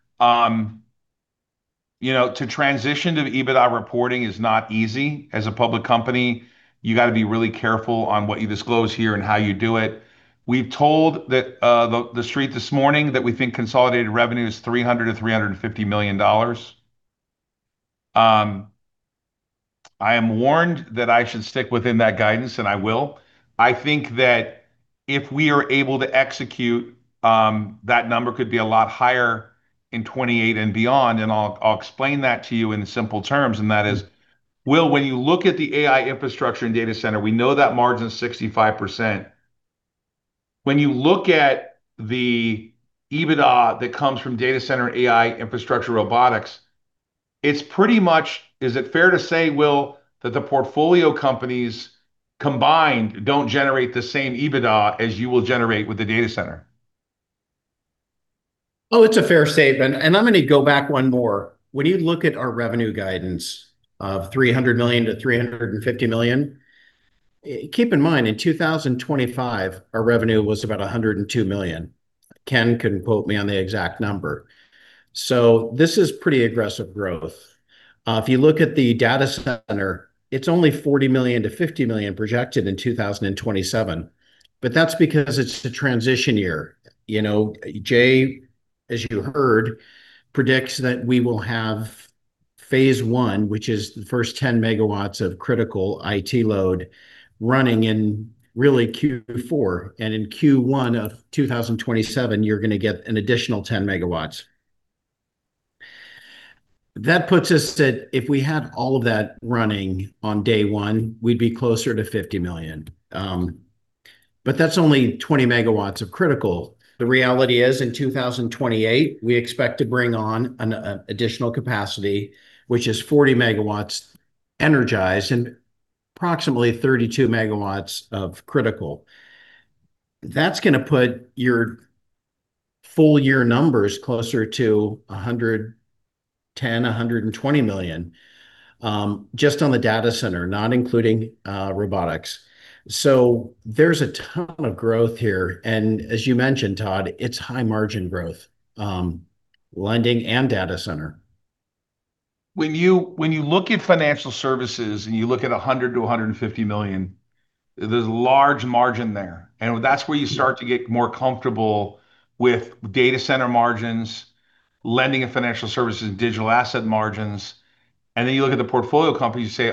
To transition to EBITDA reporting is not easy. As a public company, you got to be really careful on what you disclose here and how you do it. We've told the Street this morning that we think consolidated revenue is $300 million-$350 million. I am warned that I should stick within that guidance, and I will. I think that if we are able to execute, that number could be a lot higher in 2028 and beyond, and I'll explain that to you in simple terms. That is, Will, when you look at the AI infrastructure and data center, we know that margin is 65%. When you look at the EBITDA that comes from data center and AI infrastructure robotics, it's pretty much, is it fair to say, Will, that the portfolio companies combined don't generate the same EBITDA as you will generate with the data center? Oh, it's a fair statement. I'm going to go back one more. When you look at our revenue guidance of $300 million-$350 million, keep in mind, in 2025, our revenue was about $102 million. Ken can quote me on the exact number. This is pretty aggressive growth. If you look at the data center, it's only $40 million-$50 million projected in 2027, but that's because it's the transition year. Jay, as you heard, predicts that we will have phase one, which is the first 10 MW of critical IT load running in really Q4, and in Q1 of 2027, you're going to get an additional 10 MW. That puts us at, if we had all of that running on day one, we'd be closer to $50 million. That's only 20 MW of critical. The reality is, in 2028, we expect to bring on an additional capacity, which is 40 MW energized and approximately 32 MW of critical. That's going to put your full year numbers closer to $110 million-$120 million, just on the data center, not including robotics. There's a ton of growth here. As you mentioned, Todd, it's high margin growth, lending and data center. When you look at financial services and you look at $100 million-$150 million, there's a large margin there, and that's where you start to get more comfortable with data center margins, lending and financial services, and digital asset margins. Then you look at the portfolio companies, you say,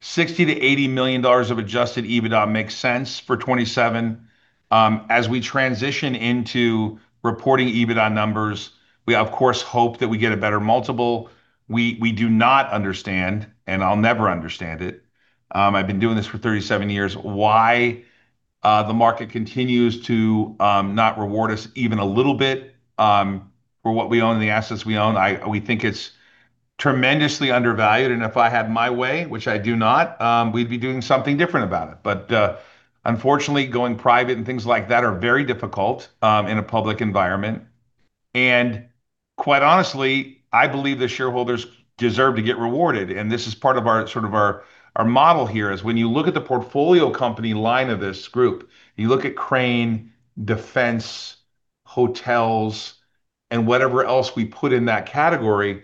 "Okay, $60 million-$80 million of adjusted EBITDA makes sense for 2027." As we transition into reporting EBITDA numbers, we of course hope that we get a better multiple. We do not understand, and I'll never understand it, I've been doing this for 37 years, why the market continues to not reward us even a little bit for what we own and the assets we own. We think it's tremendously undervalued, and if I had my way, which I do not, we'd be doing something different about it. Unfortunately, going private and things like that are very difficult in a public environment. Quite honestly, I believe the shareholders deserve to get rewarded. This is part of our model here is, when you look at the portfolio company line of this group, you look at Crane, Defense, hotels, and whatever else we put in that category,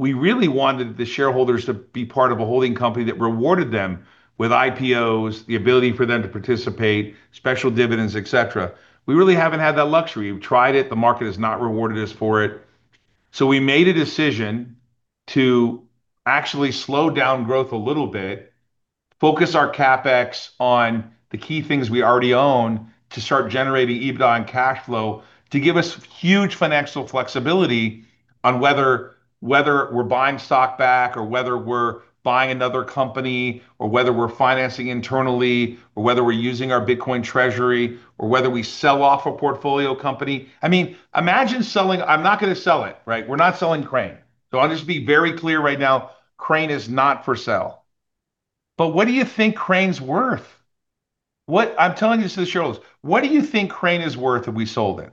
we really wanted the shareholders to be part of a holding company that rewarded them with IPOs, the ability for them to participate, special dividends, et cetera. We really haven't had that luxury. We've tried it. The market has not rewarded us for it. We made a decision to actually slow down growth a little bit, focus our CapEx on the key things we already own to start generating EBITDA and cash flow to give us huge financial flexibility on whether we're buying stock back or whether we're buying another company or whether we're financing internally or whether we're using our Bitcoin treasury or whether we sell off a portfolio company. I mean, imagine selling. I'm not going to sell it. We're not selling Crane. I'll just be very clear right now, Crane is not for sale. What do you think Crane's worth? I'm telling this to the shareholders. What do you think Crane is worth if we sold it?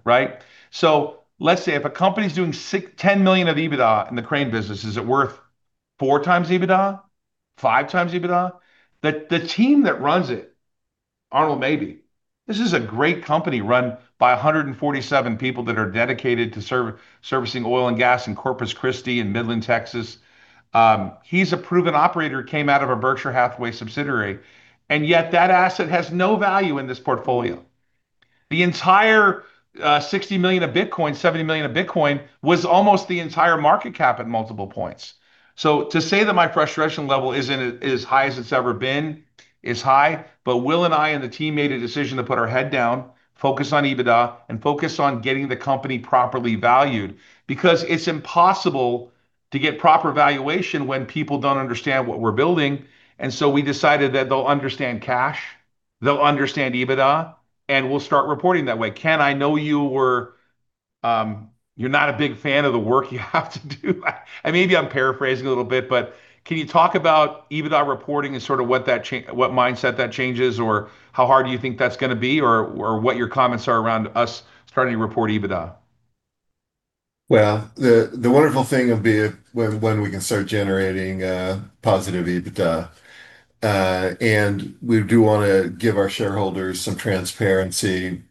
Let's say if a company's doing $10 million of EBITDA in the Crane business, is it worth 4x EBITDA, 5x EBITDA? The team that runs it, Arnold Mabee. This is a great company run by 147 people that are dedicated to servicing oil and gas in Corpus Christi and Midland, Texas. He's a proven operator, came out of a Berkshire Hathaway subsidiary, and yet that asset has no value in this portfolio. The entire $60 million of Bitcoin, $70 million of Bitcoin, was almost the entire market cap at multiple points. To say that my frustration level isn't as high as it's ever been is high, but Will and I and the team made a decision to put our head down, focus on EBITDA, and focus on getting the company properly valued. Because it's impossible to get proper valuation when people don't understand what we're building. We decided that they'll understand cash, they'll understand EBITDA, and we'll start reporting that way. Ken, I know you're not a big fan of the work you have to do. Maybe I'm paraphrasing a little bit, but can you talk about EBITDA reporting and sort of what mindset that changes, or how hard do you think that's going to be, or what your comments are around us starting to report EBITDA? Well, the wonderful thing will be when we can start generating positive EBITDA. We do want to give our shareholders some transparency.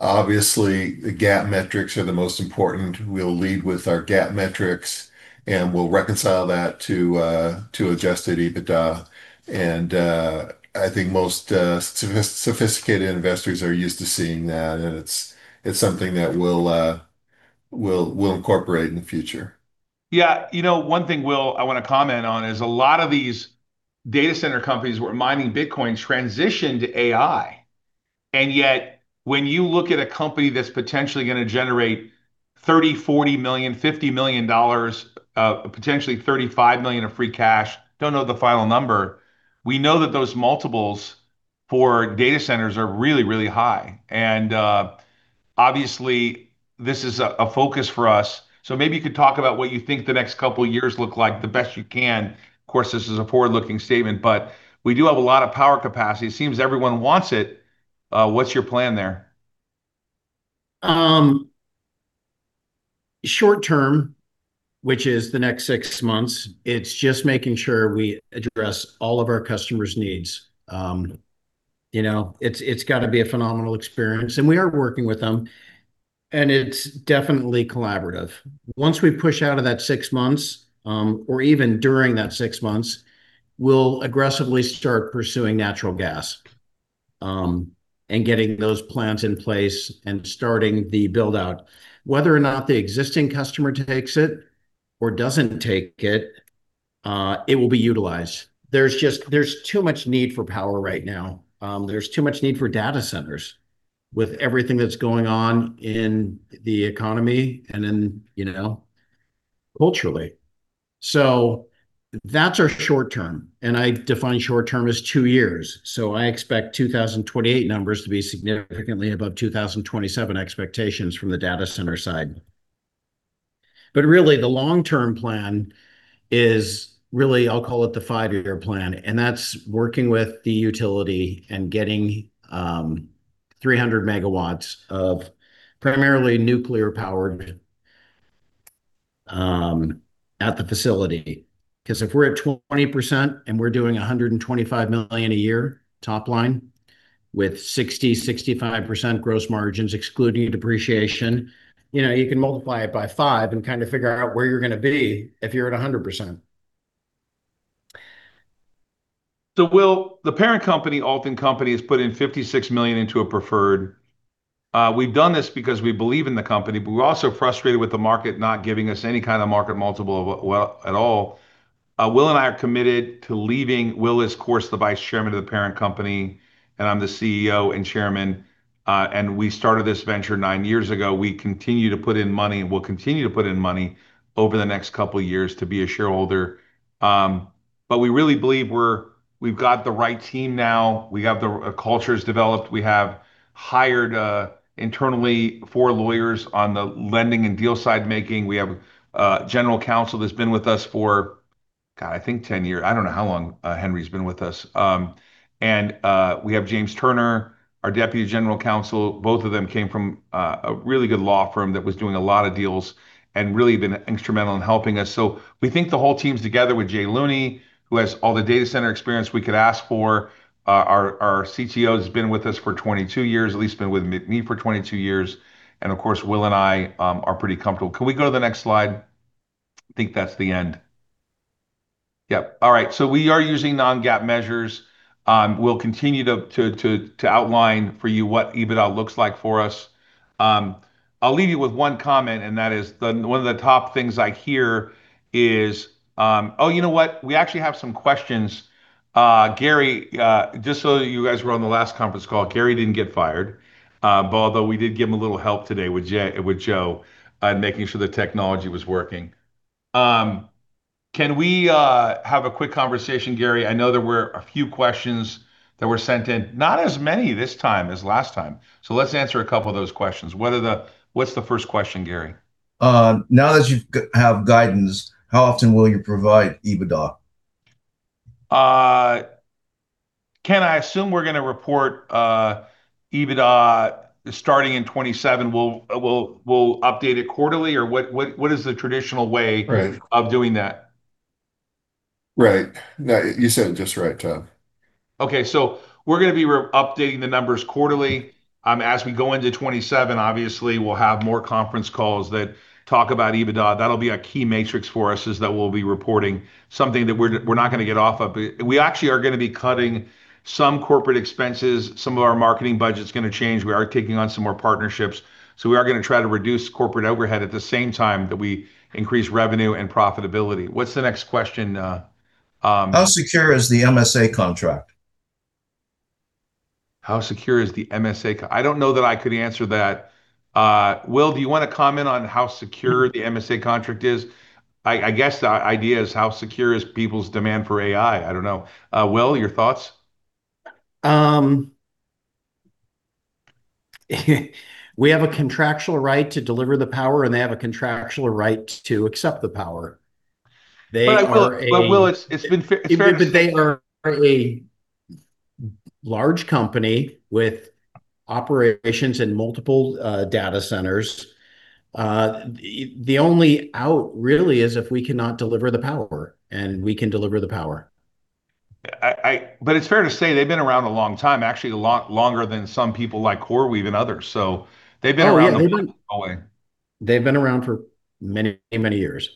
Obviously, the GAAP metrics are the most important. We'll lead with our GAAP metrics, and we'll reconcile that to adjusted EBITDA. I think most sophisticated investors are used to seeing that, and it's something that we'll incorporate in the future. Yeah. One thing, Will, I want to comment on is a lot of these data center companies who were mining Bitcoin transitioned to AI. Yet, when you look at a company that's potentially going to generate $30 million, $40 million, $50 million, potentially $35 million of free cash, don't know the final number. We know that those multiples for data centers are really, really high. Obviously, this is a focus for us. Maybe you could talk about what you think the next couple of years look like the best you can. Of course, this is a forward-looking statement, but we do have a lot of power capacity. It seems everyone wants it. What's your plan there? Short term, which is the next six months, it's just making sure we address all of our customers' needs. It's got to be a phenomenal experience, and we are working with them, and it's definitely collaborative. Once we push out of that six months, or even during that six months, we'll aggressively start pursuing natural gas, and getting those plants in place and starting the build-out. Whether or not the existing customer takes it or doesn't take it will be utilized. There's too much need for power right now. There's too much need for data centers with everything that's going on in the economy and in culturally. That's our short term, and I define short term as two years. I expect 2028 numbers to be significantly above 2027 expectations from the data center side. The long-term plan is really, I'll call it the five-year plan, and that's working with the utility and getting 300 MW of primarily nuclear power at the facility. Because if we're at 20% and we're doing $125 million a year top line with 60%-65% gross margins excluding depreciation, you can multiply it by five and kind of figure out where you're going to be if you're at 100%. Will, the parent company, Ault & Company, has put in $56 million into a preferred. We've done this because we believe in the company, but we're also frustrated with the market not giving us any kind of market multiple at all. Will and I are committed to leading. Will is, of course, the Vice Chairman of the parent company, and I'm the CEO and Chairman. We started this venture nine years ago. We continue to put in money, and we'll continue to put in money over the next couple of years to be a shareholder. We really believe we've got the right team now. We have the cultures developed. We have hired internally four lawyers on the lending and deal side making. We have a general counsel that's been with us for, God, I think 10 years. I don't know how long Henry's been with us. We have James Turner, our Deputy General Counsel. Both of them came from a really good law firm that was doing a lot of deals and really been instrumental in helping us. We think the whole team's together with Jay Looney, who has all the data center experience we could ask for. Our CTO has been with us for 22 years, at least been with me for 22 years. Of course, Will and I are pretty comfortable. Can we go to the next slide? I think that's the end. Yep. All right. We are using non-GAAP measures. We'll continue to outline for you what EBITDA looks like for us. I'll leave you with one comment, and that is, one of the top things I hear- Oh, you know what? We actually have some questions. Gary, just that you guys were on the last conference call, Gary didn't get fired. Although we did give him a little help today with Joe on making sure the technology was working. Can we have a quick conversation, Gary? I know there were a few questions that were sent in. Not as many this time as last time. Let's answer a couple of those questions. What's the first question, Gary? Now that you have guidance, how often will you provide EBITDA? Ken, I assume we're going to report EBITDA starting in 2027. We'll update it quarterly, or what is the traditional way- Right. of doing that? Right. No, you said it just right, Todd. Okay, we're going to be updating the numbers quarterly. As we go into 2027, obviously, we'll have more conference calls that talk about EBITDA. That'll be a key metric for us, is that we'll be reporting something that we're not going to get off of. We actually are going to be cutting some corporate expenses. Some of our marketing budget's going to change. We are taking on some more partnerships. We are going to try to reduce corporate overhead at the same time that we increase revenue and profitability. What's the next question? How secure is the MSA Contract? How secure is the MSA? I don't know that I could answer that. Will, do you want to comment on how secure the MSA Contract is? I guess the idea is how secure is people's demand for AI? I don't know. Will, your thoughts? We have a contractual right to deliver the power. They have a contractual right to accept the power. They are a. Will, it's fair to say. They are currently large company with operations in multiple data centers. The only out really is if we cannot deliver the power, and we can deliver the power. It's fair to say they've been around a long time, actually a lot longer than some people like CoreWeave and others. They've been around a long time. Oh, yeah. They've been around for many years.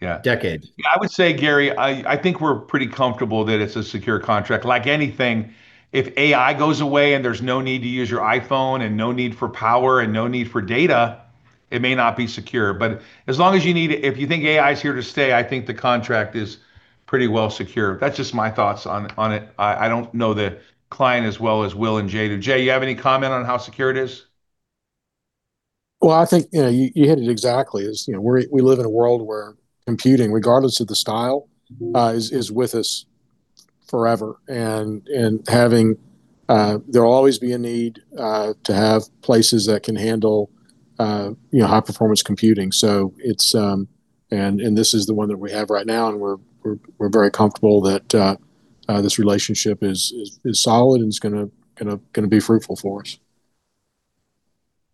Yeah. Decades. I would say, Gary, I think we're pretty comfortable that it's a secure contract. Like anything, if AI goes away and there's no need to use your iPhone and no need for power and no need for data, it may not be secure. But as long as you need it, if you think AI's here to stay, I think the contract is pretty well secure. That's just my thoughts on it. I don't know the client as well as Will and Jay. Jay, you have any comment on how secure it is? Well, I think you hit it exactly, is we live in a world where computing, regardless of the style, is with us forever and there'll always be a need to have places that can handle high-performance computing. And this is the one that we have right now, and we're very comfortable that this relationship is solid and is going to be fruitful for us.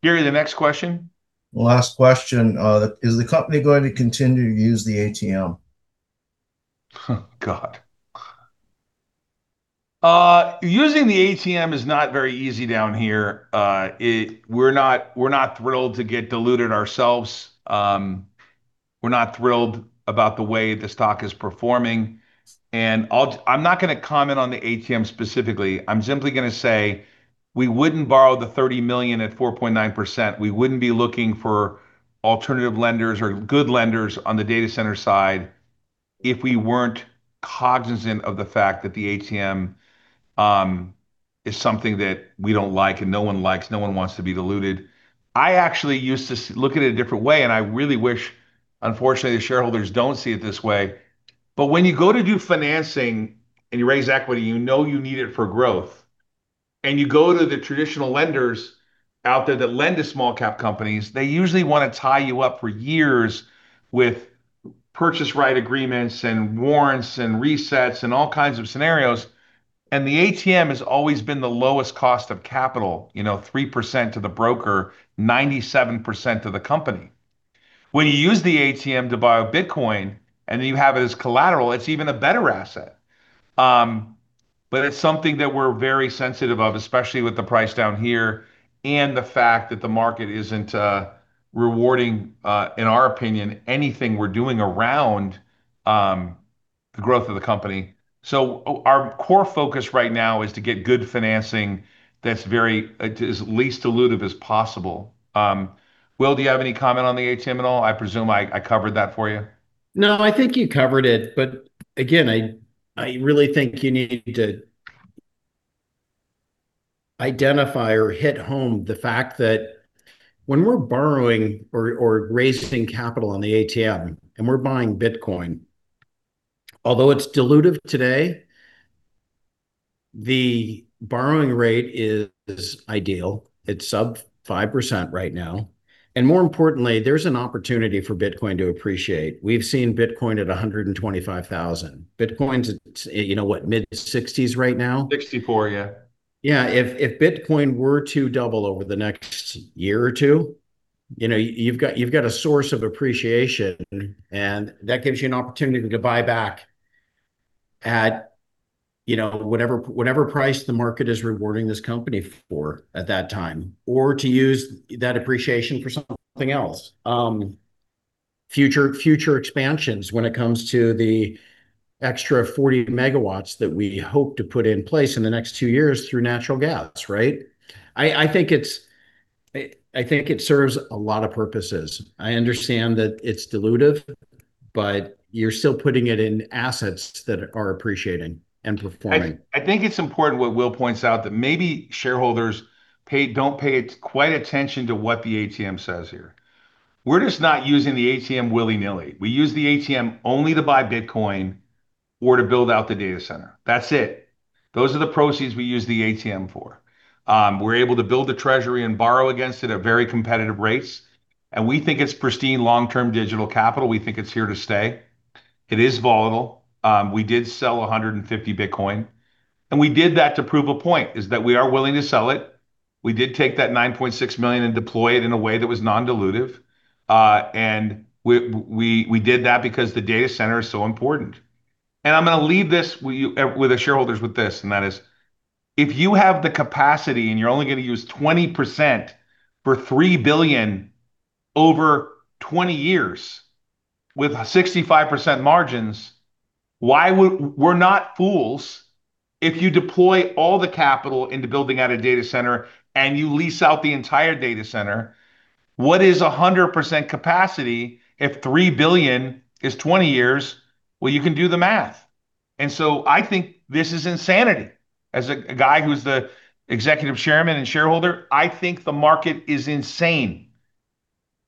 Gary, the next question. Last question. Is the company going to continue to use the ATM? Oh, God. Using the ATM is not very easy down here. We're not thrilled to get diluted ourselves. We're not thrilled about the way the stock is performing, and I'm not going to comment on the ATM specifically. I'm simply going to say we wouldn't borrow the $30 million at 4.9%. We wouldn't be looking for alternative lenders or good lenders on the data center side if we weren't cognizant of the fact that the ATM is something that we don't like and no one likes. No one wants to be diluted. I actually used to look at it a different way, and I really wish, unfortunately, the shareholders don't see it this way. When you go to do financing and you raise equity, you know you need it for growth, and you go to the traditional lenders out there that lend to small cap companies, they usually want to tie you up for years with purchase right agreements and warrants and resets and all kinds of scenarios. The ATM has always been the lowest cost of capital, 3% to the broker, 97% to the company. When you use the ATM to buy Bitcoin and then you have it as collateral, it's even a better asset. It's something that we're very sensitive of, especially with the price down here and the fact that the market isn't rewarding, in our opinion, anything we're doing around the growth of the company. Our core focus right now is to get good financing that's as least dilutive as possible. Will, do you have any comment on the ATM at all? I presume I covered that for you. I think you covered it. Again, I really think you need to identify or hit home the fact that when we're borrowing or raising capital on the ATM and we're buying Bitcoin, although it's dilutive today, the borrowing rate is ideal. It's sub 5% right now. More importantly, there's an opportunity for Bitcoin to appreciate. We've seen Bitcoin at $125,000. Bitcoin's what, mid-$60s right now? $64, yeah. Yeah. If Bitcoin were to double over the next year or two, you've got a source of appreciation, and that gives you an opportunity to buy back at whatever price the market is rewarding this company for at that time. Or to use that appreciation for something else. Future expansions when it comes to the extra 40 MW that we hope to put in place in the next two years through natural gas, right? I think it serves a lot of purposes. I understand that it's dilutive, but you're still putting it in assets that are appreciating and performing. I think it's important what Will points out, that maybe shareholders don't pay quite attention to what the ATM says here. We're just not using the ATM willy-nilly. We use the ATM only to buy Bitcoin or to build out the data center. That's it. Those are the proceeds we use the ATM for. We're able to build a treasury and borrow against it at very competitive rates, and we think it's pristine long-term digital capital. We think it's here to stay. It is volatile. We did sell 150 Bitcoin, and we did that to prove a point, is that we are willing to sell it. We did take that $9.6 million and deploy it in a way that was non-dilutive. We did that because the data center is so important. I'm going to leave this with the shareholders with this, and that is, if you have the capacity and you're only going to use 20% for $3 billion over 20 years with 65% margins, we're not fools. If you deploy all the capital into building out a data center and you lease out the entire data center, what is 100% capacity if $3 billion is 20 years? Well, you can do the math. So I think this is insanity. As a guy who's the Executive Chairman and shareholder, I think the market is insane.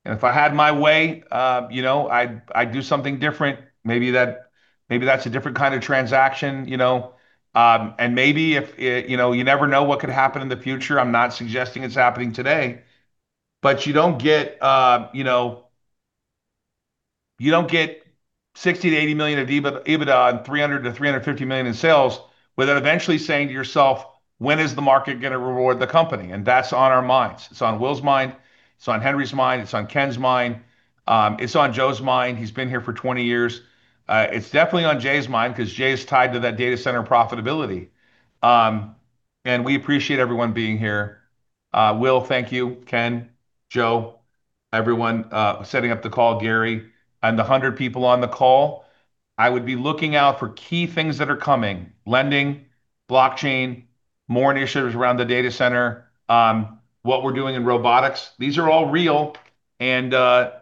If I had my way, I'd do something different. Maybe that's a different kind of transaction. You never know what could happen in the future. I'm not suggesting it's happening today, you don't get $60 million-$80 million of EBITDA on $300 million-$350 million in sales without eventually saying to yourself, "When is the market going to reward the company?" That's on our minds. It's on Will's mind. It's on Henry's mind. It's on Ken's mind. It's on Joe's mind. He's been here for 20 years. It's definitely on Jay's mind because Jay's tied to that data center profitability. We appreciate everyone being here. Will, thank you, Ken, Joe, everyone setting up the call, Gary, and the 100 people on the call. I would be looking out for key things that are coming, lending, blockchain, more initiatives around the data center, what we're doing in robotics. These are all real, and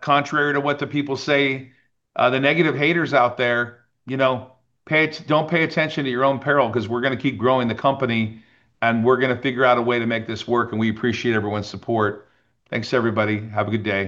contrary to what the people say, the negative haters out there, don't pay attention at your own peril because we're going to keep growing the company, and we're going to figure out a way to make this work, and we appreciate everyone's support. Thanks, everybody. Have a good day